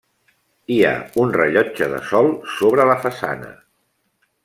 Hi ha un rellotge de sol sobre la façana.